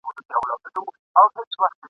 په سیالانو کي ناسیاله وه خوږ من وه!.